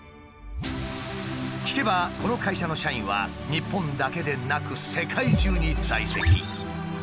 聞けばこの会社の社員は日本だけでなく世界中に在籍。